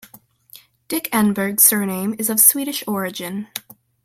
Dick Enberg's surname is of Swedish origin.